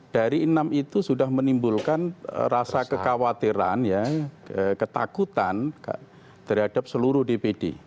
dari enam itu sudah menimbulkan rasa kekhawatiran ya ketakutan terhadap seluruh dpd